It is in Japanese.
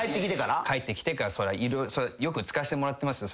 帰ってきてからよく使わせてもらってますよ